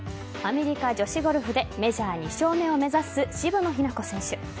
アメリカ女子ゴルフでメジャー２勝目を目指す渋野日向子選手。